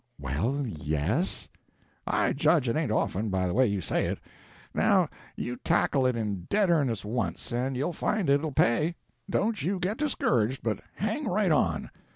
"Well yes." "I judge it ain't often, by the way you say it. Now, you tackle it in dead earnest once, and you'll find it'll pay. Don't you get discouraged, but hang right on.